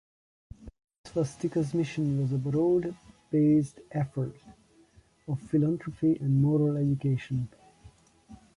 Red Swastika's mission was a broad based effort of philanthropy and moral education.